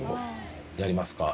やりますか？